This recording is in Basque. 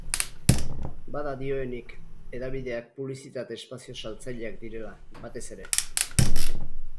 Bada dioenik, hedabideak publizitate-espazio saltzaileak direla, batez ere.